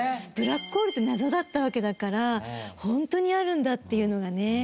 ブラックホールって謎だったわけだから本当にあるんだっていうのがね。